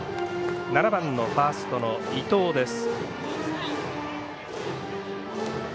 ７番ファーストの伊藤です。